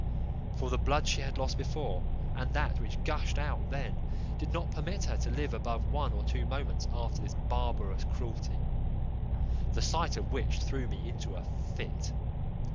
For the blood she had lost before, and that which gushed out then, did not permit her to live above one or two moments after this barbarous cruelty; the sight of which threw me into a fit.